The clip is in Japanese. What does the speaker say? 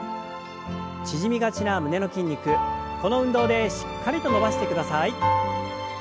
縮みがちな胸の筋肉この運動でしっかりと伸ばしてください。